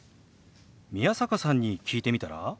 宮坂さんに聞いてみたら？